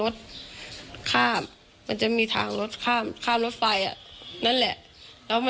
ตกลงไปจากรถไฟได้ยังไงสอบถามแล้วแต่ลูกชายก็ยังเล็กมากอะ